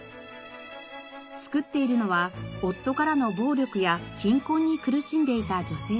作っているのは夫からの暴力や貧困に苦しんでいた女性たち。